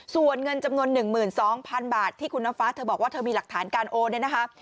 ส่วนเงินจำนวน๑๒๐๐๐บาทที่คุณน้ำฟ้าเธอบอกว่าเธอมีหลักฐานการโอนเนี่ยนะคะ